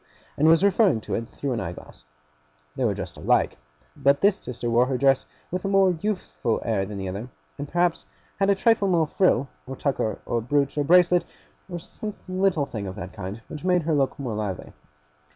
and was referring to it through an eye glass. They were dressed alike, but this sister wore her dress with a more youthful air than the other; and perhaps had a trifle more frill, or tucker, or brooch, or bracelet, or some little thing of that kind, which made her look more lively.